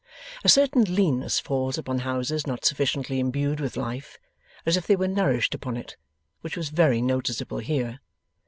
A certain leanness falls upon houses not sufficiently imbued with life (as if they were nourished upon it), which was very noticeable here.